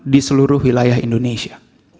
di seluruh wilayah indonesia